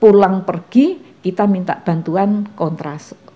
pulang pergi kita minta bantuan kontras